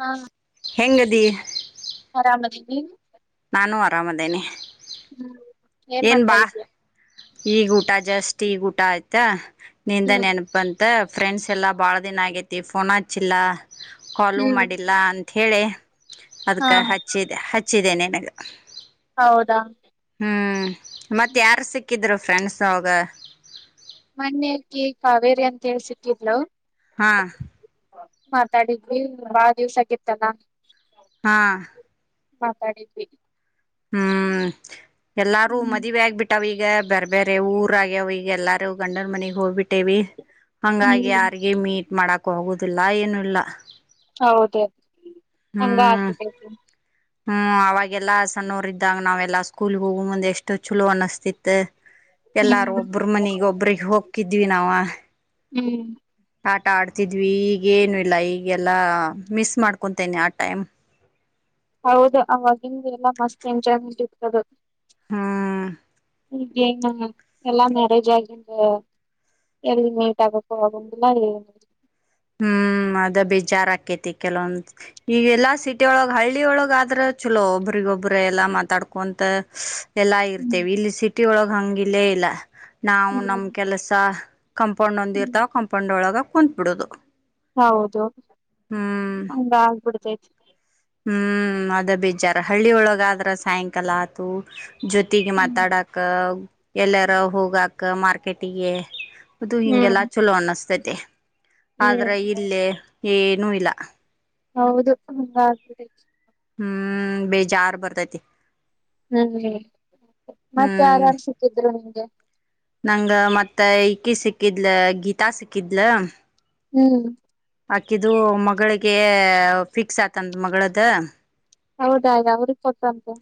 ಹಾ ದಿ ಹರಮ್ ಅದಿನಿ ನೀನು ನಾನು ಹರಾಮದಿನಿ ಹ್ಮ್ ಏನ್ ಮಾಡ್ತಾಯಿದಿಯ ಈಗ ಊಟ ಜಾಸ್ಟ್ ಈಗ ಊಟ ಆಯ್ತಾ ನಿಂದ ಹ್ಮ್ ನೆನಪ ಬಂತ್ ಫ್ರೆಂಡ್ಸ್ ಎಲ್ಲ ಭಾಳ ದಿನ ಆಗೈತಿ ಫೋನ ಹಚ್ಚಿಲ್ಲ. ಕಾಲು ಹ್ಮ್ ಮಾಡಿಲ್ಲ ಅಂತ ಹೇಳಿ ಹಾ ಅದಕ ಹಚ್ಚಿದೆ ಹಚ್ಚಿದೆ ನಿನಗ್. [inaudible] ಹೌದಾ. ಹ್ಮ್ ಮತ್ತ ಯಾರ್ ಸಿಕ್ ಸಿಕ್ಕಿದ್ರು ಫ್ರೆಂಡ್ಸ್ ಒಳಗ. ಮನ್ನೆ ಅಕಿ ಕಾವೇರಿ ಅಂತೇಳಿ ಸಿಕ್ಕಿದ್ಲು. ಹಾ ಮಾತಾಡಿದ್ವಿ ಬಾಳ ದಿವ್ಸ ಆಗಿತ್ತಲ್ಲ. ಹಾ ಮಾತಾಡಿದ್ವಿ. ಹ್ಮ್ ಎಲ್ಲಾರೂ ಮದುವಿ ಆಗ್ಬಿಟ್ಟಾವೀಗ ಬ್ಯಾರೆ ಬ್ಯಾರೆ ಊರ ಆಗ್ಯಾವ ಈಗ ಎಲ್ಲಾರೂ ಗಂಡನ ಮನಿಗ್ ಹೋಗ್ಬಿಟ್ಟೇವಿ. ಹಂಗಾಗಿ ಹ್ಮ್ ಯಾರ್ಗಿ ಮೀಟ್ ಮಾಡಕ್ ಹೋಗುದ್. ತಿಲ್ಲ ಏನುೂ ಇಲ್ಲ. ಹೌದ ಹಂಗ ಹ್ಮ್ ಆಗ್ಬಿಟೈತಿ. ಹ್ಮ್ ಅವಾಗೆಲ್ಲಾ ಸಣ್ಣೊರ ಇದ್ದಾಗ ನಾವೆಲ್ಲಾ ಸ್ಕೂಲ್ಗ್ ಹೋಗು ಮುಂದ್ ಎಷ್ಟೋ ಚಲೋ ಅನಸ್ತಿತ. ಎಲ್ಲಾರು ಹ್ಮ್ ಒಬ್ಬ್ರ ಮನಿಗ್ ಒಬ್ರಿಗೆ ಹೋಕಿದ್ವಿ ನಾವಾ. ಹ್ಮ್ ಆಟ ಆಡ್ತಿದ್ವಿ ಈಗೇನು ಇಲ್ಲ ಈಗೆಲ್ಲ ಮಿಸ್ ಮಾಡ್ಕೊತೇನೆ ಆ ಟೈಮ್. ಹೌದು ಅವಾಗಿಂದ ಎಲ್ಲಾ ಮಸ್ತ್ ಎಂಜಾಯ್ಮೆಂಟ್ ಇತ್ತ ಅದ. ಹ್ಮ್ ಈಗೇನು ಎಲ್ಲಾ ಮ್ಯಾರೇಜ್ ಆಗಿಂದ ಎಲ್ಲಿ ಮೀಟ್ ಆಗಕ್ಕು ಆಗೊಂಗಿಲ್ಲ ಏನಿಲ್ಲ. ಹ್ಮ್ ಅದ ಬೇಜಾರ್ ಆಕೈತಿ ಕೆಲವೊಂದ ಈಗೆಲ್ಲಾ ಸಿಟಿ ಒಳಗ್ ಹಳ್ಳಿಒಳಗಾದ್ರ ಚಲೋ ಒಬ್ರಿಗೊಬ್ರ ಎಲ್ಲಾ ಮಾತಾಡ್ಕೊಂತ. ಎಲ್ಲಾ ಹ್ಮ್ ಇರ್ತೇವೆ ಇಲ್ಲಿ ಸಿ ಸಿಟಿ ಒಳಗ ಹಂಗಿಲ್ಲೇ ಇಲ್ಲ. ನಾವು ನಮ್ ಕೆಲಸ. ಕಂಪೌಂಡ್ ಒಂದ ಇರ್ತಾವ ಕಂಪೌಂಡ್ ಒಳಗ ಕುಂತ್ಬಿಡೋದು. ಹೌದು ಹಂಗ ಆಗ್ಬಿಡ್ತೈ. ಹ ಹ್ಮ್ ಅದ ಬೇಜಾರ ಹಳ್ಳಿ ಒಳಗಾದ್ರ ಸಾಯಂಕಾಲ ಆತು. ಜೊತಿಗಿ ಹ್ಮ್ ಮಾತಾಡಕ. ಎಲ್ಲೆರ ಹೋಗಾಕ್ ಮಾರ್ಕೆಟಿಗೆ. ಅದು ಹ್ಮ್ ಹಿಂಗೆಲ್ಲ ಚಲೋ ಅನ್ನಿಸ್ತೈ ತ್ತೆ ಆದ್ರ ಹ್ಮ್ ಇಲ್ಲೇ ಏ ಏನು ಇಲ್ಲ. ಹೌದು ಹಂಗ ಆಗ್ತದೆ. ಹ್ಮ್ ಬೇಜಾರ್ ಬರ್ತೈತಿ. ಹ್ಮ್ ಮತ್ತೆ ಹ್ಮ್ ಆರಾಮ್ ಸಿಕ್ಕಿದ್ರು ಹ ನಂಗ ಮತ್ತ ಈಕಿ ಸಿಕ್ಕಿದ್ಲ ಗೀತಾ ಸಿಕ್ಕಿದ್ಲ ಹ್ಮ್ ಆಕಿದು ಮಗಳಿಗೆ ಫಿಕ್ಸ್ ಆತಂದ ಮಗಳದ. ಹೌದಯಾ ಯಾವಊರಿಗೆ ಕೊಟ್ರಂತೆ?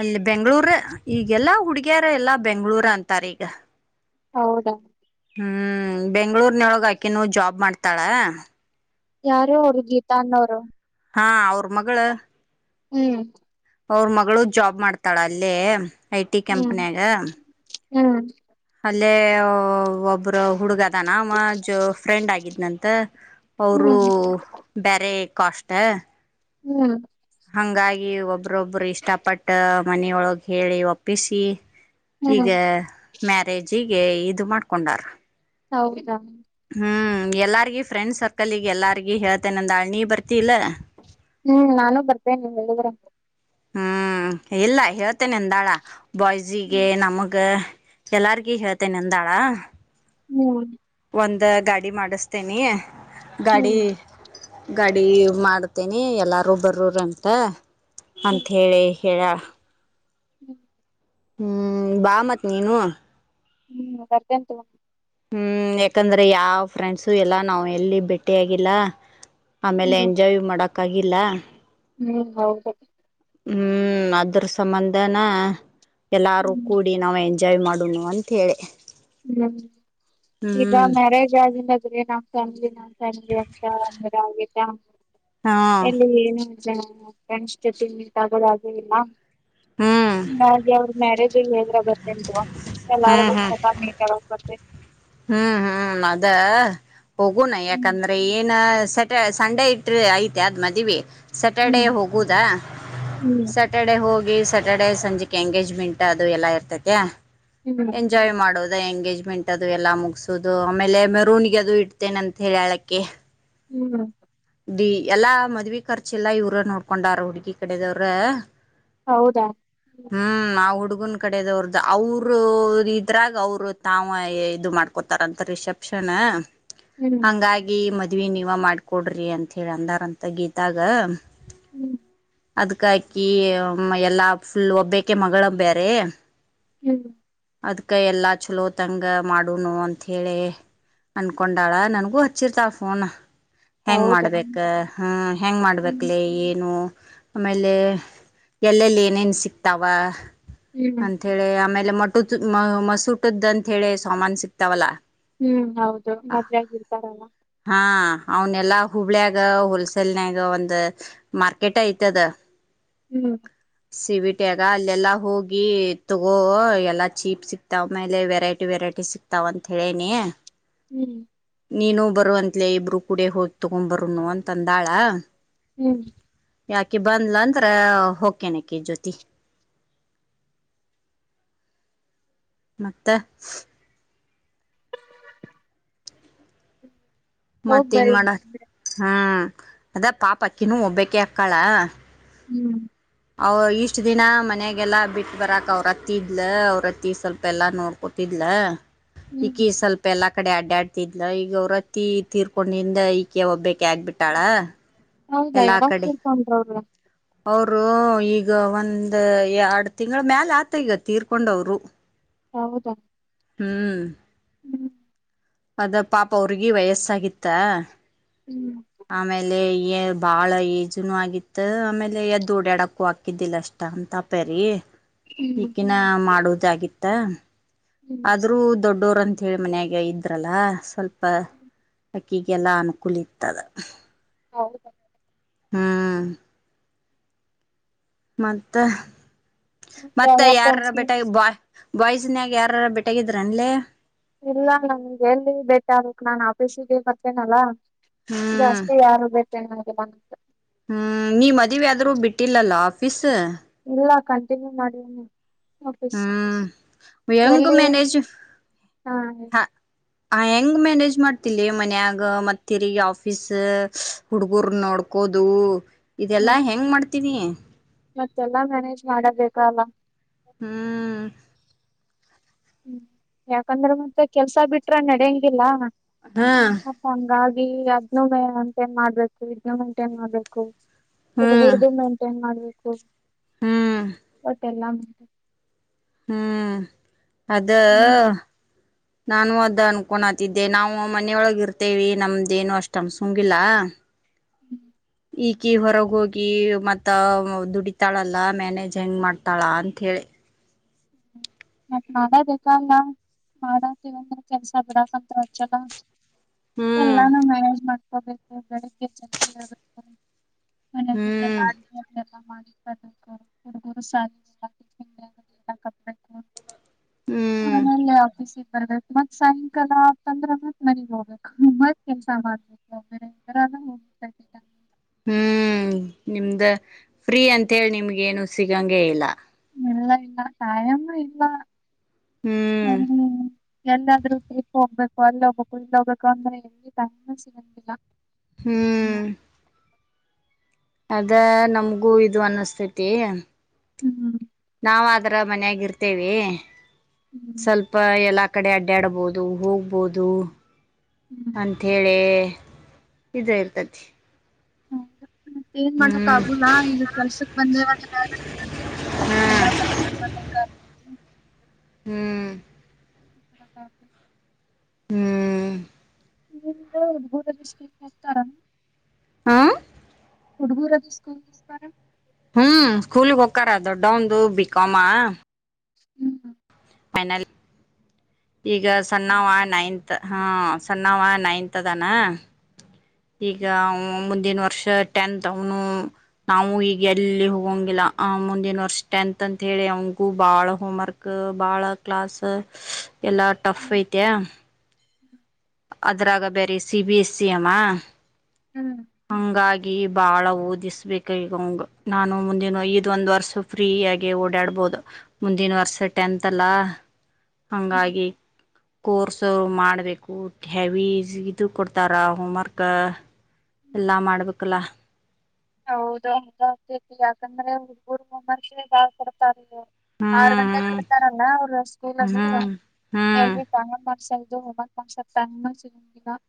ಅಲ್ಲಿ ಬೆಂಗ್ಳೂರ ಈಗೆಲ್ಲಾ ಹುಡುಗಿಯರ ಎಲ್ಲಾ ಬೆಂಗ್ಳೂರ ಅಂತಾರ ಈಗ. ಹೌದಾ ಹ್ಮ್ ಬೆಂಗ್ಳೂರ್ನೊಳಗ ಆಕೆ ನ ಜಾಬ್ ಮಾಡ್ತಾಳ. ಯಾರು ಅವರು ಗೀತಾ ಅನ್ನೋರು? ಹಾ ಅವ್ರ ಮಗಳು ಹ್ಮ್ ಅವ್ರ ಮಗಳು ಜಾಬ್ ಮಾಡ್ತಾಳ ಅಲ್ಲೇ ಐ ಟಿ ಹ್ಮ್ ಕಂಪನಿಯಾಗ ಹ್ಮ್ ಅ ಒಬ್ಬ್ರ ಹುಡುಗ ನ ಮಜ ಫ್ರೆಂಡ್ ಆಗಿದ್ನಂತ ಅವರು ಹ್ಮ್ ಬೇರೆ ಕಷ್ಟ ಹ್ಮ್ ಹಂಗಾಗಿ ಒಬ್ಬ್ರೊಬ್ರು ಇಷ್ಟಪಟ್ಟ ಮನೆಯೊಳಗೆ ಹೇಳಿ ಒಪ್ಪಿಸಿ ಈಗ ಹ್ಮ್ ಮ್ಯಾರೇಜ ಈ ಗೆ ಇದು ಮಾಡ್ಕೊಂಡಾರ. ಹೌದಾ ಹ್ಮ್ ಎಲ್ಲಾರಿಗ ಫ್ರೆಂಡ್ ಸರ್ಕಲ್ಗೆ ಎಲ್ಲಾರ್ಗ ಹೇಳ್ತೇನೆ ಅಂದ ಅಳ್ನಿ ಬರ್ತ ಇಲ ಹ್ಮ್ ನಾನು ಬರ್ತೇನೆ ನೀ ಎಲ್ಲಗರೆ ಹ್ಮ್ ಇಲ್ಲ ಹೇಳ್ತೇನೆಂದಾಳ. ಬಾಯ್ಸಿಗೆ ಹ್ಮ್ ನಮಗೆ ಎಲ್ಲಾರ್ಗಿ ಹೇಳ್ತೆೇನೆಂದಾಳ. ಹ್ಮ್ ಒಂದ ಗಾಡಿ ಮಾಡಿಸ್ತೇನಿ. ಗಾಡಿ ಹ್ಮ್ ಗಾಡಿ ಮಾಡ್ತೇನಿ ಎಲ್ಲಾರು ಬರೂರಂತ. ಅಂತ ಹೇಳಿ ಕೆರ ಹ್ಮ್ ಹ್ಮ್ ಬಾ ಮತ್ ನೀನು ಹ್ಮ್ ಬರ್ತಂತು ಹ್ಮ್ ಯಾಕಂದ್ರೆ ಯಾವ್ ಫ್ರೆಂಡ್ಸು ಎಲ್ಲಾ ನಾವ್ ಎಲ್ಲಿ ಭೇಟ್ಟಿಯಾಗಿಲ್ಲ. ಆಮೇಲೆ ಹ್ಮ್ ಎಂಜಾಯ್ ಮಾಡಕ್ ಅಗಿಲ್ಲ ಹ್ಮ್ ಹೌದು ಹ್ಮ್ ಅದ್ರ ಸಂಬಂಧನಾ ಎಲ್ಲಾರು ಹ್ಮ್ ಕೂಡಿ ನಾವ್ ಎಂಜಾಯ್ ಮಾಡೋಣ ಅಂತೇಳಿ ಹ್ಮ್ ಈಗ ಮ್ಯಾರೇಜ್ ಆಗಿಲ್ಲ ನಾನ್ ಫ್ಯಾಮಲಿ ನಾನ್ ಫ್ಯಾಮಿಲಿ ಅ ಅಂದ ಹಾ ಎಲ್ಲಿಏನು ಫ್ರೆಂಡ್ ಜೊತೆ ಮೀಟ್ ಆಗೋದು ಆಗೇಯಿಲ್ಲ ಹ್ಮ್ ಹಾಂಗಾಗಿ ಅವ್ರ ಮ್ಯಾರೇಜ್ [unintelligible] ಅರ್ಜೆಂಟ್ ಎಲ್ಲರೂ ಹ್ಮ್ ಹ್ಮ್ ಮತ್ತೆ ಹ್ಮ್ ಹ್ಮ್ ಅದೇ ಹೋಗೋಣ ಯಾಕಂದ್ರೆ ಏನ ಸಟ ಸಂಡೇ ಇಟ್ರ ಐತೆ ಅದ್ ಮದ್ವಿ ಸ್ಯಾಟರ್ಡೆ ಹ್ಮ್ ಹೋಗುದಾ ಹ್ಮ್ ಸ್ಯಾಟರ್ಡೆ ಹೋಗಿ ಸ್ಯಾಟರ್ಡೆ ಸಂಜೆಗೆ ಎಂಗೇಜ್ಮೆಂಟ್ ಅದು ಎಲ್ಲಾ ಇರ್ತೈತಿ ಹ್ಮ್ ಎಂಜಾಯ್ ಮಾಡೋದು ಎಂಗೇಜ್ಮೆಂಟ್ ಅದು ಎಲ್ಲ ಮುಗಸುದು ಆಮೇಲೆ ಮೆರೂನ್ಗೆ ಅದು ಇಡ್ತೇನೆ ಅಂತ ಹೇಳಿ ಹೇಳಕ್ಕಿ ಹ್ಮ್ ಡಿ ಎಲ್ಲಾ ಮದ್ವಿ ಖರ್ಚು ಎಲ್ಲ ಇವ್ರ ನೋಡ್ಕೊಂಡಾರ ಹುಡುಗಿ ಕಡೆದವ್ರ ಹೌದ ಹ್ಮ್ ನಾವು ಹುಡುಗ್ ಹುಡುಗ್ ಕಡೆದವ್ರ್ದ ಅವರು ಇದ್ರಾಗ ಅವರು ತಾವು ಇದು ಮಾಡ್ಕೋತಾರಂತ ರಿಸೆಪ್ಷನ್ ಹ್ಮ್ ಹಂಗಾಗಿ ಮತ್ತ ಮದ್ವಿ ನೀವ ಮಾಡ್ಕೊಡ್ರಿ ಅಂತ ಹೇಳಿ ಅಂದಾರಂತ ಗೀತಾಗ ಹ್ಮ್ ಅದ್ಕ್ ಹಾಕಿ ಎಲ್ಲಾ ಫುಲ್ ಒಬ್ಬಕೆ ಮಗಳು ಬೇರೇ ಹ್ಮ್ ಅದ್ಕ್ಕೆ ಎಲ್ಲ ಚಲೋ ತಂಗ ಮಾಡುನು ಅಂತೇಳಿ ಅನ್ಕೊಂಡಾಳ ನನಗೂ ಹಚ್ಚಿರ್ತಳ ಫೋನ್ ಹೆಂಗ್ ಹೌದಾ ಮಾಡ್ಬೇಕ ಹ್ಮ್ ಹೆಂಗ್ ಹ್ಮ್ ಮಾಡ್ಬೇಕಕ್ಲಿ ಏನು ಆಮೇಲೆ ಎಲ್ಲೆಲ್ಲಿ ಏನೇನ್ ಸಿಕ್ತವೆ ಹ್ಮ್ ಅಂತ ಹೇಳಿ ಆಮೇ ಮಟ್ಟ ಮಸುಟ್ ಅಂತ ಹೇಳಿ ಸಾಮಾನನ್ ಸಿಕ್ತಾವಲ್ಲಾ ಹ್ಮ್ ಹೌದು ಮದ್ವಗ ಇರ್ತಾರಲ್ಲ ಅವನ್ಲ್ಲಾ ಹುಬ್ಬಳ್ಯಾಗ ಹೋಲ್ಸೇಲ್ನ್ಯಾಗ ಒಂದ ಮಾರ್ಕೆಟ್ ಐತದ ಹ್ಮ್ ಸಿವಿಟ್ ಟಾಗ ಅಲ್ಲೆಲ್ಲಾ ಹೋಗಿ ತಗೋ ಎಲ್ಲಾ ಚೀಪ್ ಸಿಕ್ತಾವ ಮೇಲೆ ವೆರೈಟಿ ವೆರೈಟಿ ಸಿಕ್ತಾವ ಅಂತ ಹೇಳೇನಿ ಹ್ಮ್ ನೀನು ಬರುವ ಅಂತ್ಲೇ ಇಬರು ಕೂಡ ಹೋಗಿ ತಗೊಂ ಬರನು ಅಂತಂದಾಳ ಹ್ಮ್ ಯಾಕಿ ಬಂದ್ಲ ಅಂದ್ರ ಹೋಗಕೇನಕಿ ಜ್ಯೋತಿ ಮತ್ತೆ ಹೋಗ್ ಮತ್ತೇನ್ ಬರಿ ಮಾಡ ಹ್ಮ ಅದಾ ಪಾಪಕ್ಕಿನೂ ಒಬ್ಬೇಕ ಅಕ್ಕಾಳ ಹ್ಮ್ ಅವ ಇಷ್ಟ ದಿನ ಮನೆಯಗೆಲ್ಲಾ ಬಿಟ್ಟ ಬರಾಕ್ ಅವ್ರತ್ತಿದ್ಲ ಅವ್ರತ್ತಿ ಸ್ವಲ್ಪ ಎಲ್ಲಾ ನೋಡ್ಕೊಟ್ಟಿದ್ಲ ಹ್ಮ್ ಈಕೀ ಸ್ವಲ್ಪ ಎಲ್ಲ ಕಡೆ ಅಡ್ಡಾಡ್ತಿದ್ಲ ಈಗ ಅವರತ್ತಿ ತೀರ್ಕೊಂಡಿಂದ ಈಕೆ ಒಬ್ಬಕ್ಕೆ ಆಗ್ಬಿಟ್ಟಾಳ ಹೌದಾ ಎಲ್ಲಾ ಯಾವಾಗ ಕಡೆ ತೀರಿಕೊಂಡ್ರ ಅವ್ರ ಅವರು ಈಗ ಒಂದ ಎರಡು ತಿಂಗಳ ಮ್ಯಾಲ ಆತ ಈಗ ತೀರ್ಕೊಂಡವರು ಹೌದಾ ಹ್ಮ್ ಹ್ಮ್ ಅದ ಪಾಪ ಅವ್ರಗಿ ವಯಸ್ಸಾಗಿತ್ತ ಹ್ಮ್ ಆಮೇಲೆ ಏ ಬಾಳ ಈಏಜುನು ಆಗಿತ್ತ ಆಮೇಲೆ ಎದ್ದ ಓಡ್ಯಾಡಕ್ಕು ಹಾಕಿದ್ದಿಲ್ಲ ಅಷ್ಟ ಅಂತಪ್ಯರಿ ಹ್ಮ್ ಈಕ್ಕಿನ ಮಾಡುವುದು ಜಾಗಿತ್ತಾ ಹ್ಮ್ ಆದ್ರೂ ದೊಡ್ಡೋರ್ ಅಂತ ಹೇಳಿ ಮನ್ಯಾಗ ಇದ್ರಲ್ಲ ಸ್ವಲ್ಪ [unintelligible] ಗೆಲ್ಲಾ ಅನುಕೂಲ ಇತದ ಹೌದು ಹಾ ಮತ್ತೆ ಯಾವ ಮತ್ತೆ ಯಾವ ಯಾರ ಬೇಟ ಫ್ರೆಂಡ್ಸ್ ಬ ಬಾಯ್ಸನ್ಯಾಗ ಯಾರಾರ ಬಿಟಗಿದ್ರ ಅನ್ಲ್ಲ ಇಲ್ಲ ನನ್ಗೆ ಎ ಬೇಟ ಆಗಕ್ ನಾನ್ ಆಫೀಸಿಗೆ ಮತ್ತೇನಲ್ಲ ಹ್ಮ್ ಜಾಸ್ತಿ ಯಾರು ಬೇಕ [unintelligible] ಹ್ಮ್ ನೀ ಮದ್ವೀ ಆದ್ರೂ ಬಿಟ್ಟಿಲ್ಲಲ್ಲ ಆಫೀಸ್ ತ್ತೆ ಇಲ್ಲ ಕಂಟಿನ್ಯೂ ಮಾಡಣ ಫ ಹ್ಮ್ ಹೆಂಗ್ ಎಲ್ಲಿ ಮ್ಯಾನೇಜ್ ಹಾ ಆ ಹೆಂಗ್ ಮ್ಯಾನೇಜ್ ಮಾಡ್ತಿಲ್ಲಿ ಮನ್ಯಾಗ ಮತ್ತಿಗ ಆಫೀಸ್ ಹುಡ್ಗರ್ ನೋಡ್ಕೋದು ಇದೆಲ್ಲಾ ಮತ್ ಹೆಂಗ್ ಮಾಡ್ತೀನೀ ಮತ್ತೆಲ್ಲಾ ಮ್ಯಾನೇಜ್ ಮಾಡಬೇಕ ಅಲ್ಲ ಹ್ಮ್ ಹ್ಮ್ ಯಾಕಂದ್ರೆ ಮತ್ತೆ ಕೆಲ್ಸ ಬಿಟ್ರ ನಡಿಯಂಗಿಲ್ಲ ಹಾ ಹಸಂಗ ಈ ಅಗ್ನೋಮೆ ಅಂತಟ ಏನ್ ಮಾಡ್ಬೇಕು ವಿಜನೋಮ್ಂಟ ಏನ್ ಮಾಡ್ಬೇಕು ಹ್ಮ್ ಹುಡ್ಗಡ್ದು ಮೇಂಟೈನ್ ಮಾಡ್ಬೇಕು ಹ್ಮ್ ಹ ಹ ಲ್ಲ ಹ್ಮ್ ಅದ ಹ್ಮ್, ನಾನು ಅದ ಅನ್ಕೊಂನಾತಿದ್ದೆ ನಾವು ಮನೆಯೊಳಗ ಇರ್ತೇವಿ ನಮ್ದೇನು ಅಷ್ಟೊಂದ್ ಅಸುಂಗಿಲ್ಲಾ ಹ್ಮ್ ಈಕಿ ಹೊರಗ ಹೋಗಿ ಮತ್ತ ದುಡಿತಾಳಲ್ಲಾ ಮ್ಯಾನೇಜ್ ಹೆಂಗ್ ಮಾಡ್ತಾಳ ಅಂತ ಹೇಳಿ ಹ್ಮ ಮತ್ತ ಮಾಡ ಬಲ್ಲ ಮಾಡಂತವಂದ್ರ ಕೆಲ್ಸ ಬಿಡಕ್ಂತ ಹಚ್ಚಲ್ಲ ಹ್ಮ್ ಎಲ್ಲಾನು ಮ್ಯಾನೇಜ್ ಮಾಡ್ ಹೋಗಬೇಕು ಬೆಳಿಗ್ಗೆ ಜ [inaudible] ಹ್ಮ್ ಆಗುತ್ತೆ ಮ [inaudible] ಹ್ಮ್ ಆಮೇಲೆ ಆಫೀಸಿಗೆ ಬರ್ಬೇಕು ಮತ್ ಸಾಯಂಕಾಲಂದ್ರೆ ಮತ್ ಮನೆಗ್ ಹೋಗ್ಬೇಕು ಮತ್ತ್ ಕೆಲ್ಸ ಮಾಡ್ಬೇಕು ಬೇರೆರಲ್ಲೋಗ ಹ್ಮ್ ನಿಮ್ದ ಫ್ರೀ ಅಂತೇಳಿ ನಿಮ್ಗ ಏನು ಸಿಗಂಗಗೆ ಇಲ್ಲ ಇಲ್ಲ ಇಲ್ಲ ಟಯಾಮ ಇಲ್ಲ ಹ್ಮ್ ಎಲ್ಲಾದ್ರು ಟ್ರಿಪ್ ಹೋಗ್ಬೇಕು ಅಲ್ಲಿ ಹೋಗ್ಬೇಕು ಇಲ್ಲಿ ಹೋಗ್ಬೇಕು ಅಂದ್ರೆ ಟೈಮ್ ಆ ಸಿಗಂಗಿಲ್ಲ ಹ್ಮ್ ಅದ ನಮಗೂ ಇದು ಅನ್ನಸ್ತೇತಿ ಹ್ಮ್ ಹ್ಮ್ ನಾವು ಆದ ಅರ ಮನಯಾಗಿ ಇರ್ತೇವಿ ಸ್ವಲ್ಪ ಎಲ್ಲ ಕಡೆ ಅಡ್ಡಾಡ್ಬೋದು ಹೋಗ್ಬೋದು ಹ್ಮ್ ಅಂತ ಹೇಳಿ ಇದ್ರ ಇರ್ತತಿ ಹ್ಮ ಮತ್ತ ಏನ್ ಮಾಡಕ್ ಹ್ಮ್ ಆಗುಲ್ಲ ಈಗ ಕೆಲ್ಸಕ್ ಬಂದೇ ಒಂದ ಹಾ ಮೇ ಹ್ಮ್ [inaudible] ಹ್ಮ್ [unintelligible] ಹ ಹುಡುಗುರ ಸ್ಕ ಹ್ಮ್ ಸ್ಕೂಲ್ಗ್ ಹೊಕ್ಕಾರ ದೊಡ್ಡಾವಂದು ಬೀ ಕಾಮ್ ಹ್ಮ್ ಹ್ಮ್ ಫೈನಲ್ ಈಗ ಸಣ್ಣಾವ ಹೋಗಲ್ಲ ನೈನ್ತ್ ಹಾ ಸಣ್ಣಾವ ನೈನ್ತ್ ಅದಾನ ಈಗ ಅವ ಮುಂದಿನ ವರ್ಷ ಟೆಂತ್ ಅವನು ನಾವು ಈಗ ಎಲ್ಲಿ ಹೋಗಂಗಿಲ್ಲ ಮುಂದಿನ ವರ್ಷ ಟೆಂತ್ ಅಂತ ಹೇಳಿ ಅವಗೂ ಬಾಳ ಹೋಮ್ವರ್ಕ್ ಬಾಳ ಕ್ಲಾಸ್ ಎಲ್ಲಾ ಟಫ್ ಹ್ಮ್ ಐತೆ [inaudible] ಅದ್ರಾಗ ಬೇರೆ ಸಿ ಬಿ ಅವಾ. ಹ್ಮ್ ಬಾಳ ಓದಿಸ್ಬೇಕ ಈಗ ಅವಂಗ ನಾನು ಮುಂದಿನ ಇದ ಒಂದ್ ವರ್ಷ ಫ್ರೀ ಆಗಿ ಓಡಾಡ್ಬಹದು ಮುಂದಿನ ವರ್ಷ ಟೆಂತ್ ಅಲ್ಲ. ಹಂಗಾಗಿ. ಕೋರ್ಸ್ ಅವರು ಮಾಡ್ಬೇಕು. ಹೆವಿ ಈಸಿ ಇದು ಕೊಡ್ತಾರ ಹೋಮ್ವರ್ಕ್ ಎಲ್ಲಾ ಮಾಡ್ಬೇಕಲ್ಲ. [unintelligible] ಆರ್ ಗಂಟೆಗ್ ಹ್ಮ್ ಬಿಡ್ತಾರಲ್ಲ ಅವರ ಸ್ಕೂಲ್ ಅದು ಹ್ಮ್ ಹ್ಮ್ [unintelligible]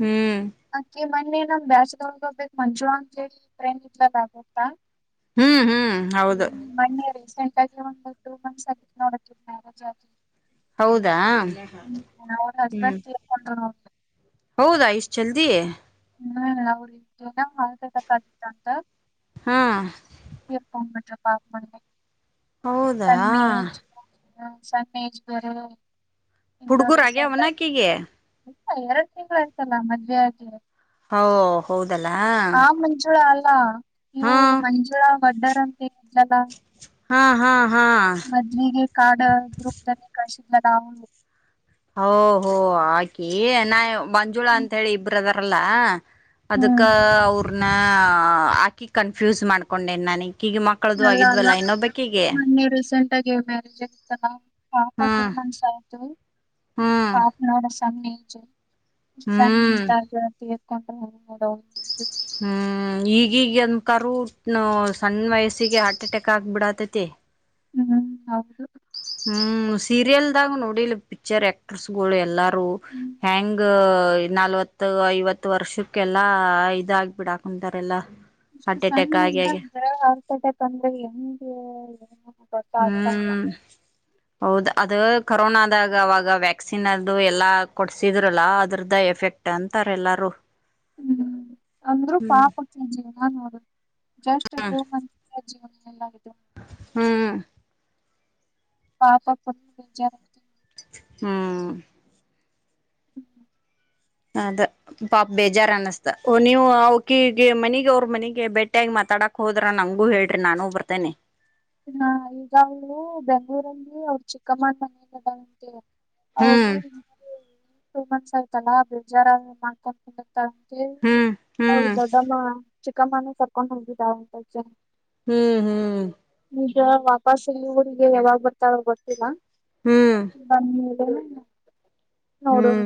ಹ್ಮ್ ಈ ಮನ್ನೇ ನಮ್ ಬ್ಯಾಸ ತಗೊಂಡ್ಕೋಗ್ಬೇಕು ಮಂಜುಳ ಅಂತೇಳಿ. [inaudible] ಹ್ಮ್ ಹ್ಮ್ ಹೌದು. ಹ್ಮ್ ಮೊನ್ನೆ ರೀಸೆಂಟ್ ಆಗಿ ಒಂದ ಟೂ ಮಂತ್ಸ್ ಆಗಿತ್ತ ನೋಡ ಮ್ಯಾರೇಜ್ ಆಗಿ. ಹೌದಾ ಹ್ಮ್, ಅವ್ರ ಹ್ಮ್. ಹಸ್ಬೆಂಡ್ ತೀರ್ಕೊಂಡ್ರು ನೋಡ್ರಿ ಹೌದಾ ಇಷ್ಟ್ ಜಲ್ದಿ. ಹ್ಮ ಅವರಿಗೆ ಏನೋ ಹಾರ್ಟ್ ಅಟ್ಯಾಕ್ ಆಗಿತ್ತ ಅಂತ. ಹಾ. [unintelligible] ಹೌದಾ. ಹ್ಮ ಸಣ್ಣ ಏಜ್ ಬೇರೆ. ಹುಡ್ಗುರಾಗ್ಯವ ಅನ ಅಕಿಗಿ ಹ ಎರಡ್ ತಿಂಗಳ ಆಗಿತ್ತ ಲಾ ಮದ್ವೆ ಆಗಿ. ಓಹ್ ಹೌದಲ್ಲಾ. ಹಾ ನೀವು ಮನುಷ್ಯರ ಒಡ್ಡರ ಹ ಹಾ ಹಾ ಹಾ ಮದ್ವಿಗೆ ಕಾರ್ಡ್ ಗ್ರೂಪ್ದಲ್ಲಿ ಕಳ ಬಾವ ಹೋ ಆಕಿ ನಾ ಮಂಜುಳ ಅಂತ ಹೇಳಿ ಇಬ್ರದಾರಲ್ಲ ಅದಕ್ಕ ಹ್ಮ್ ಅವ್ರನ್ನ ಹಾಕಿ ಕನ್ಫ್ಯೂಸ್ ಮಾಡ್ಕೊಂಡೆ ನನಗ್ ಕೀಗೆ ಮಕ್ಕಳ್ದು ಅಲ್ಲ ಅಲ್ಲ ಆಗಿದ್ವಲ್ಲ ಇನ್ನೊಬ್ಬ ಕೀಗೆ ಮೊನ್ನೆ [unintelligible] ಪಾಪ ಟೂ ಹ್ಮ್ ಮಂತ್ಸ್ ಆಯ್ತು. ಹ್ಮ್ ಹಾಫ್ನ್ರ್ ಕಮ್ಮಿ ಹೆಚ್ಚು. ಹ್ಮ್ [unintelligible] [unintelligible] ಹ್ಮ್ ಈ ಈಗನ್ ಕರು ಸಣ್ಣ ವಯಸ್ಸಿಗೆ ಹಾರ್ಟ್ ಅಟ್ಯಾಕ್ ಆಗ್ಬಿಡತೈತಿ. ಹ್ಮ್ ಹೌದು. ಹ್ಮ್ ಸೀರಿಯಲ್ದಾಗ ನೋಡಿಲ್ ಪಿಕ್ಚರ್ ಆಕ್ಟ್ರಸ್ ಗಳು, ಎಲ್ಲ. ಟ್ರೂ ಹ್ಮ್ ಹೆಂಗ, ನಲ್ವತ್ತು, ಐವತ್ತು, ವರ್ಷಕ್ಕೆಲ್ಲಾ ಇದಾಗಬಿಡಾಕಂತಾರೆಲ್ಲಾ. ಇಷ್ಟ ಸಣ್ಣ ವಯಸ್ಸದಗ ಹಾರ್ಟ್ ಅಟ್ಯಾಕ್ ಅಂದ್ರೆ ಹೆಂಗ. ಹ್ಮ್ ಹೌದ ಅದ ಕೊರೋನದಾಗ ಅವಾಗ ವ್ಯಾಕ್ಸಿನ್ ಅದು ಎಲ್ಲಾ ಕೊಡ್ಸಿದ್ರಲ್ಲ ಅದ್ರದ್ದ ಎಫೆಕ್ಟ್ ಅಂತಾರೆ ಎಲ್ಲಾರೂ. ಹ್ಮ್ ಅಂದ್ರು ಪಾಪಅನ್ಸ್ತು ಹಾ ಹೌದು. ಜಸ್ಟ್ ಟು ಮಂತ್ಸ್ಗ್ ಲ್ಲ ಹ್ಮ್ ಪಾಪ ಕೊ ಬಜ ಹ್ಮ [inaudible] ಅದ ಪಾಪ ಬೇಜಾರ್ ಅನ್ನಿಸ್ತ ನೀವು ಅವಕಿಗೆ ಮನಗಿ ಅವ್ರ ಮನಗಿ ಬೆೇಟಿಯಾಗಿ ಮಾತಾಡಕ್ ಹೋದ್ರನ್ ಹಂಗೂ ಹೇಳ್ರಿ ನಾನು ಬರ್ತೇನೆ. ಹಾ ಈಗಾಗಲೂ ಬೆಂಗ್ಗಳೂರಲ್ಲಿ ಅವರು ಚಿಕ್ಕಮ್ಮನ ಮನಿ ಆದ ಅಂತ. ಹ್ಮ್ [unintelligible] ಟೂ ಮಂತ್ಸ್ ಆಯತಲ್ಲ [unintelligible] [unintelligible] ಹ್ಮ್ ಅವ್ರ್ ಹ್ಮ್ ದೊಡ್ಡಮ್ಮ ಚಿ ಕಮಾನ ಸಕನ್ [unintelligible] ಹ್ಮ್ ಹ್ಮ್ ಈಗ ವಾಪಸ್ಲ್ಲಿ ಊರಿಗೆ ಯಾವಾಗ್ ಬರ್ತಾರ ಗೊತ್ತಿಲ್ಲ ಹ್ಮ್ ಬಂದ [unintelligible] ನೋಡು ಹ್ಮ್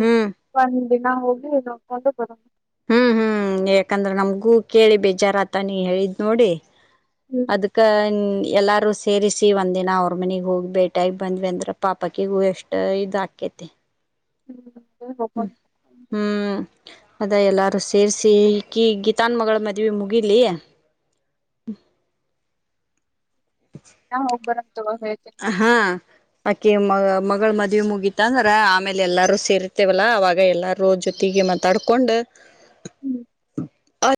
ಹ್ಮ್ ದಿನ ಹೋಗಿ ನೋಡ್ಕೊಂಡು ಬರದು ಹ್ಮ್ ಹ್ಮ್ ಯಾಕಂದ್ರೆ ನಮ್ಗೂ ಕೇಳಿ ಬೇಜಾರತ ನೀ ಹೇಳಿದ್ ನೋಡಿ ಹ್ಮ್ ಅದ್ಕ್ಕ ಎಲ್ಲಾರು ಸಸೆ ಸೇರಿಸಿ ಒಂದ ದಿನ ಅವ್ರ ಮನೆಗ್ ಹೋಗಿ ಬೇಟಾಗಿ ಬಂದ್ ಅಂದ್ರೆ ಪಾಪಕ್ಕಿಗೂ ಎಷ್ಟ ಇದ ಆಕತಿ ಹ್ಮ್ ಹ್ಮ ಹೋಗೋಣ ಹ್ಮ್ ಅದ ಎಲ್ಲಾರು ಸೆ ಸೇರಿಸಿ ಕಿ ಗೀತಾನ್ ಮಗಳ ಮದುವೆ ಮುಗೀಲಿ ಹಾ ಹೋಗ್ಬರ ಹಾ ಅಕೆ ಮ ಗಳು ಮದ್ವೇ ಮುಗಿತ ಅಂದ್ರ ಆಮೇಲೆ ಎಲ್ಲಾರು ಸೇರಿತೇವಲ್ಲ ಅವಾಗ ಎಲ್ಲಾರೂ ಜೊತೆಗೆ ಮಾತಾಡ್ಕೊಂಡ್ ಹ್ಮ್ ಹ